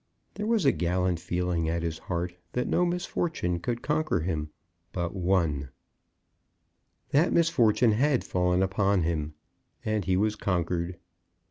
There was a gallant feeling at his heart that no misfortune could conquer him, but one; that misfortune had fallen upon him, and he was conquered.